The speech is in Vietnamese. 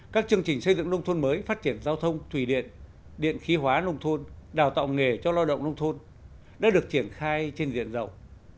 các chương trình xây dựng nông thôn mới phát triển giao thông thủy điện điện khí hóa nông thôn đào tạo nghề cho lao động nông thôn đã được triển khai trên diện rộng